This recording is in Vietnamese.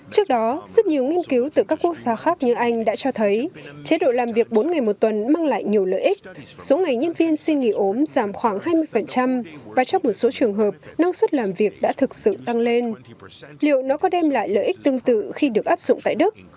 trước đó rất nhiều nghiên cứu từ các quốc gia khác như anh đã cho thấy chế độ làm việc bốn ngày một tuần mang lại nhiều lợi ích số ngày nhân viên xin nghỉ ốm giảm khoảng hai mươi và trong một số trường hợp năng suất làm việc đã thực sự tăng lên liệu nó có đem lại lợi ích tương tự khi được áp dụng tại đức